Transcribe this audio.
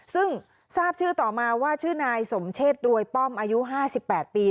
ซึ่งทราบชื่อต่อมาว่าชื่อนายสมเชษรวยป้อมอายุ๕๘ปี